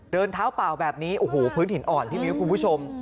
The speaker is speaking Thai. เดินเท้าเปล่าแบบนี้โอ้โหพื้นหินอ่อนพี่มิ้วคุณผู้ชม